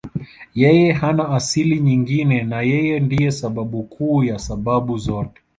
Yeye hana asili nyingine na Yeye ndiye sababu kuu ya sababu zote.